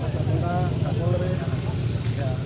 kita kak nduga ya itu saya lihat